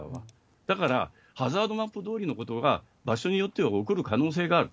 だから、ハザードマップどおりのことが場所によっては起こる可能性がある。